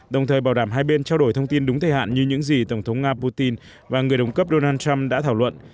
đồng thời bảo đảm hai bên trao đổi thông tin đúng thời hạn như những gì tổng thống nga putin và người đồng cấp donald trump đã thảo luận